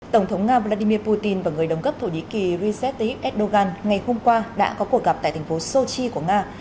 tổng thống nga vladimir putin và người đồng cấp thổ nhĩ kỳ recep tayyip erdogan ngày hôm qua đã có cuộc gặp tại thành phố sochi của nga